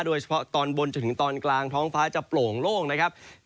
โดยเฉพาะตอนบนจนถึงตอนกลางท้องฟ้าจะโปร่งโล่งนะครับ